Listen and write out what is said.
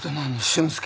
俊介。